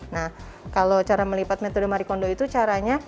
nah kalau cara melipat metode marie kondo itu caranya